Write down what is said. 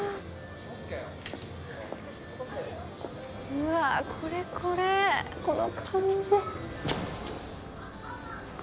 うわこれこれこの感じ。